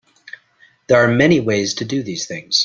There are many ways to do these things.